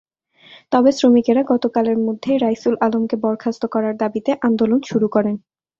তবে শ্রমিকেরা গতকালের মধ্যেই রাইসুল আলমকে বরখাস্ত করার দাবিতে আন্দোলন শুরু করেন।